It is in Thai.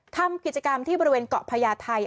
ทำกิจกรรมที่บริเวณเกาะพญาไทย